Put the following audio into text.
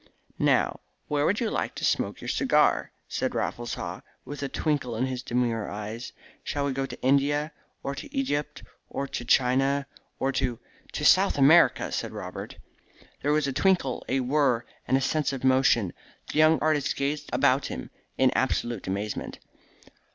"Now, where would you like to smoke your cigar?" said Raffles Haw, with a twinkle in his demure eyes. "Shall we go to India, or to Egypt, or to China, or to " "To South America," said Robert. There was a twinkle, a whirr, and a sense of motion. The young artist gazed about him in absolute amazement.